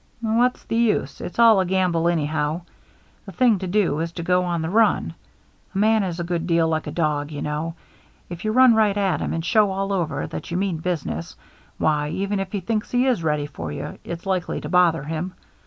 "What's the use? It's all a gamble any how. The thing to do is to go on the run. A man is a good deal like a dog, you know. If you run right at him and show all over you that you mean business, why, even if he thinks he is ready for you, it's likely to bother him.